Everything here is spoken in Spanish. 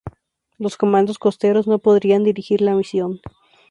Los comandos costeros no podrían dirigir la misión.